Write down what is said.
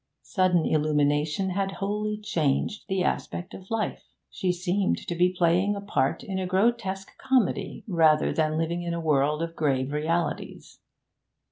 Sudden illumination had wholly changed the aspect of life. She seemed to be playing a part in a grotesque comedy rather than living in a world of grave realities.